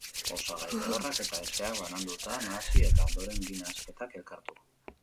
Osagai lehorrak eta hezeak bananduta nahasi, eta ondoren bi nahasketak elkartu.